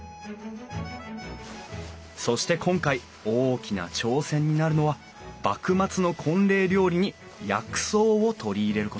そして今回大きな挑戦になるのは幕末の婚礼料理に薬草を取り入れること。